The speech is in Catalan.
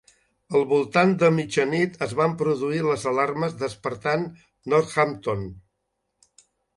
Al voltant de mitjanit es van produir les alarmes despertant Northampton.